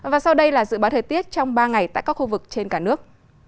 và sau đây là dự báo thời tiết trong ba ngày tại các khu vực trên cả nước